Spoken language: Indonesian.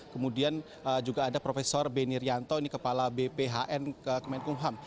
kemudian juga ada prof benir yanto ini kepala bphn kemenkung ham